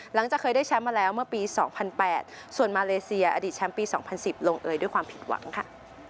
หลังจากเคยได้แชมป์มาแล้วเมื่อปี๒๐๐๘ส่วนมาเลเซียอดีตแชมป์ปี๒๐๑๐ลงเอยด้วยความผิดหวังค่ะ